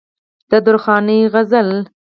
د درخانۍ سندره